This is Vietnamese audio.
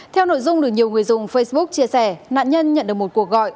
theo nội dung được nhiều người dùng facebook chia sẻ nạn nhân nhận được một cuộc gọi